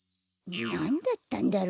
なんだったんだろう？